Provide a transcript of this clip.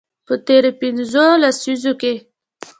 په تیرو پنځو لسیزو کې